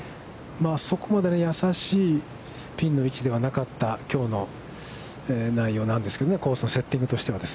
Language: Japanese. そこまで易しいピンの位置ではなかったきょうの内容なんですけどね、コースとセッティングとしては。